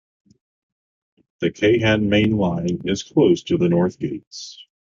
The Keihan Main Line is close to the north gates.